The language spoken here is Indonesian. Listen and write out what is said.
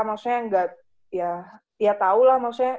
maksudnya enggak ya dia tau lah maksudnya ada hal hal